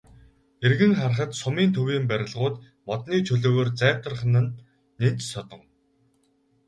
Эргэн харахад сумын төвийн барилгууд модны чөлөөгөөр цайвартах нь нэн ч содон.